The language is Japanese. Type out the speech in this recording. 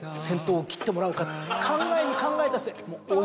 考えに考えた末。